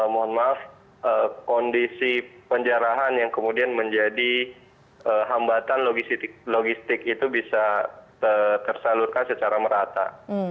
mohon maaf kondisi penjarahan yang kemudian menjadi hambatan logistik itu bisa tersalurkan secara merata